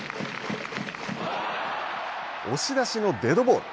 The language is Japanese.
押し出しのデッドボール。